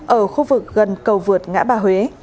ở khu vực gần cầu vượt ngã bà huế